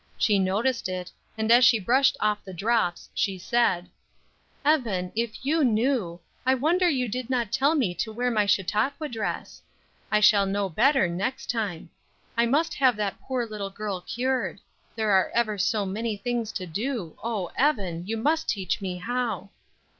She noticed it, and as she brushed off the drops, she said: "Evan, if you knew, I wonder that you did not tell me to wear my Chautauqua dress. I shall know better next time. I must have that poor little girl cured; there are ever so many things to do, oh Evan, you must teach me how."